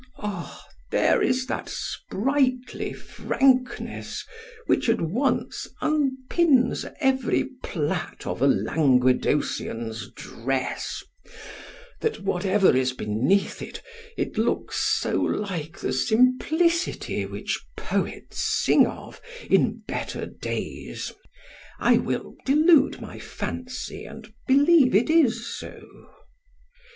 O! there is that sprightly frankness, which at once unpins every plait of a Languedocian's dress—that whatever is beneath it, it looks so like the simplicity which poets sing of in better days—I will delude my fancy, and believe it is so.